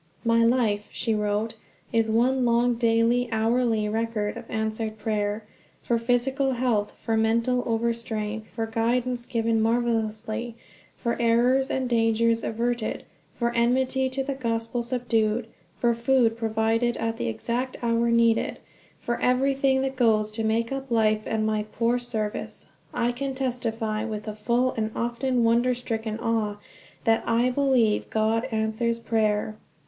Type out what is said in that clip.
"My life," she wrote, "is one long daily, hourly record of answered prayer. For physical health, for mental overstrain, for guidance given marvelously, for errors and dangers everted, for enmity to the Gospel subdued, for food provided at the exact hour needed, for everything that goes to make up life and my poor service. I can testify, with a full and often wonder stricken awe, that I believe God answers prayer.